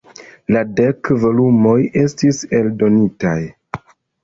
La dek volumoj estis eldonitaj.